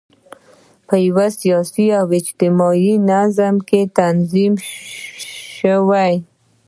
په یوه سیاسي او اجتماعي نظام کې تنظیم شوي.